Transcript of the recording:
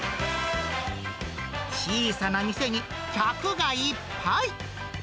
小さな店に、客がいっぱい。